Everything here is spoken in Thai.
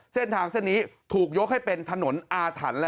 เส้นทางเส้นนี้ถูกยกให้เป็นถนนอาถรรพ์